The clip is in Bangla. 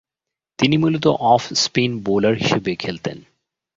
তিনি মূলতঃ অফ স্পিন বোলার হিসেবে খেলতেন।